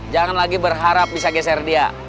jangan lagi berharap bisa geser dia